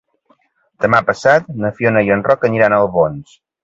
Demà passat na Fiona i en Roc aniran a Albons.